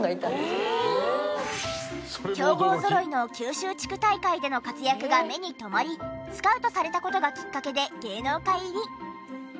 強豪ぞろいの九州地区大会での活躍が目に留まりスカウトされた事がきっかけで芸能界入り。